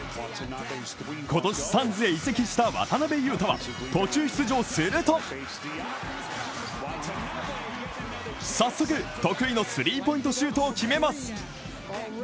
今年、サンズへ移籍した渡邊雄太は途中出場すると早速、得意のスリーポイントシュートを決めます。